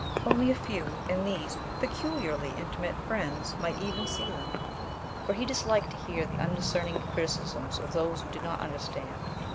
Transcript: Only a few, and these peculiarly intimate friends, might even see them, for he disliked to hear the undiscerning criticisms of those who did not understand.